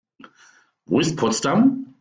Wo ist Potsdam?